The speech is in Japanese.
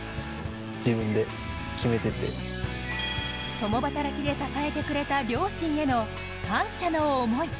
共働きで支えてくれた両親への感謝の思い。